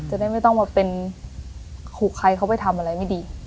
จะได้ไม่ต้องมาเป็นขู่ใครเขาไปทำอะไรไม่ดี